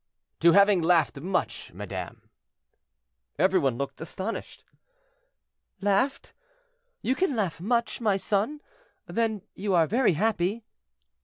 "To having laughed much, madame." Every one looked astonished. "Laughed! you can laugh much, my son; then you are very happy?"